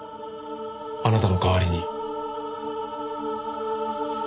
あなたの代わりに。